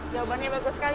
jawabannya bagus sekali